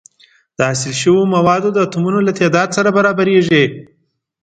د حاصل شوو موادو د اتومونو له تعداد سره برابریږي.